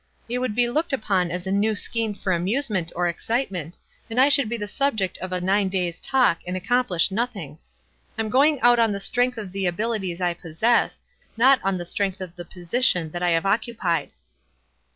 It would be looked upon as a new scheme for amusement or excite ment, and I should be the subject of a nine days' talk, and accomplish nothing. I'm going out on the strength of the abilities I possess, not on the strength of the position that I have occu pied."